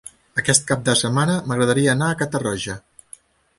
Aquest cap de setmana m'agradaria anar a Catarroja.